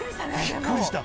びっくりした。